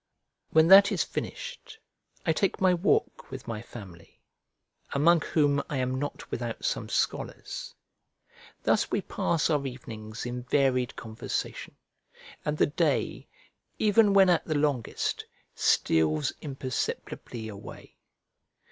When that is finished, I take my walk with my family, among whom I am not without some scholars. Thus we pass our evenings in varied conversation; and the day, even when at the longest, steals imperceptibly away.